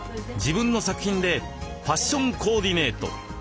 自分の作品でファッションコーディネート。